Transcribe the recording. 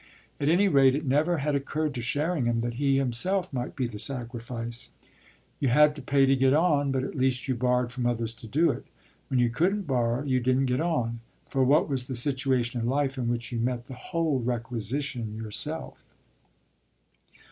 At any rate it never had occurred to Sherringham that he himself might be the sacrifice. You had to pay to get on, but at least you borrowed from others to do it. When you couldn't borrow you didn't get on, for what was the situation in life in which you met the whole requisition yourself?